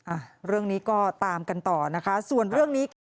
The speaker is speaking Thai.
อ่ะเรื่องนี้ก็ตามกันต่อนะคะส่วนเรื่องนี้ค่ะ